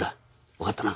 わかったな？